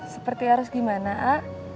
seperti eros gimana a